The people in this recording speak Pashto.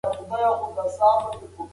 تاسي په اخیرت کي د کوم مقام مننه کوئ؟